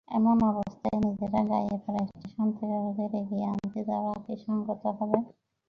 এমন অবস্থায় নিজেরা গায়ে পড়ে স্টেশন থেকে ওদের এগিয়ে আনতে যাওয়া কি সংগত হবে?